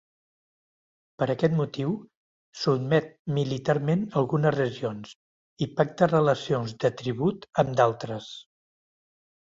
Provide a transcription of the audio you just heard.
Per aquest motiu, sotmet militarment algunes regions i pacta relacions de tribut amb d'altres.